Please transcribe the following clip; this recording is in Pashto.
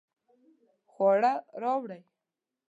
خواړه راوړئ